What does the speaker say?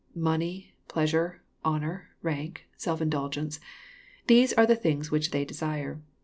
Money, pleas ure, honour, rank, self indulgence, — these are the things which they desire.